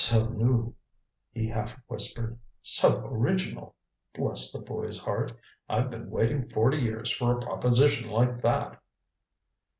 "So new," he half whispered. "So original! Bless the boy's heart. I've been waiting forty years for a proposition like that."